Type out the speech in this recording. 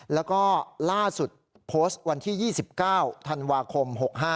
แล้วก็ล่าสุดโพสต์วันที่๒๙ธันวาคม๖๕